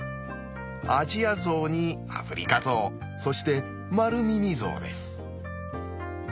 アジアゾウにアフリカゾウそしてマルミミゾウです。